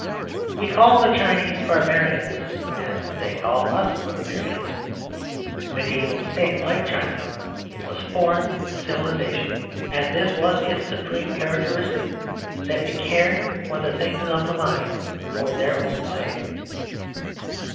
We call the Chinese barbarians, and they call us barbarians. The mediæval state, like China, was a foreign civilisation, and this was its supreme characteristic, that it cared for the things of the mind for their own sake.